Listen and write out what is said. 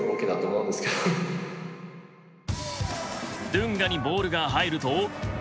ドゥンガにボールが入ると。